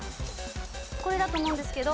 これだと思うんですけど。